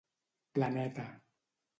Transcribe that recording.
Planeta.